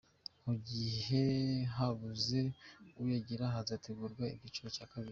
Mu gihe habuze uyagira hazategurwa icyiciro cya kabiri.